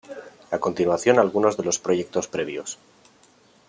A continuación algunos de los proyectos previos.